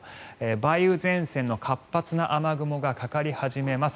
梅雨前線の活発な雨雲がかかり始めます。